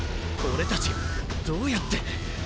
俺たちがどうやって。